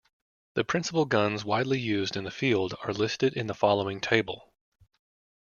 The principal guns widely used in the field are listed in the following table.